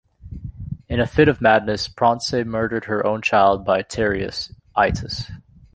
In a fit of madness Procne murdered her own child by Tereus, Itys.